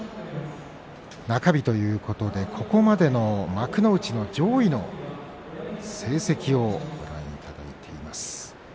中日ということで、ここまでの幕内の上位の成績をご覧いただいています。